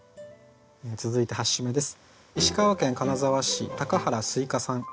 続いて８首目です。